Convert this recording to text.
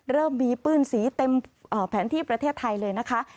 เริ่มมีปื้นสีเต็มแผนที่ประเทศไทยเลยนะคะ